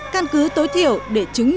căn cứ tối thiểu để chứng minh